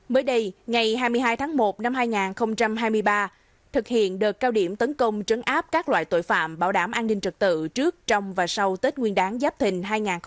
mới đây ngày hai mươi hai một hai nghìn hai mươi ba thực hiện đợt cao điểm tấn công trấn áp các loại tội phạm bảo đảm an ninh trật tự trước trong và sau tết nguyên đán giáp thình